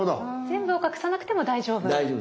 全部を隠さなくても大丈夫っていう。